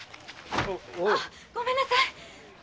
あッごめんなさい